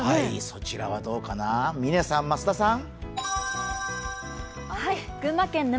そちらはどうかな、嶺さん、増田さん。